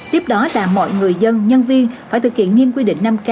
tiếp đó là mọi người dân nhân viên phải thực hiện nghiêm quy định năm k